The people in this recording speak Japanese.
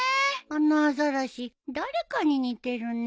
あのアザラシ誰かに似てるね。